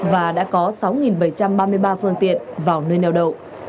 và đã có sáu bảy trăm ba mươi ba phương tiện vào nơi neo đậu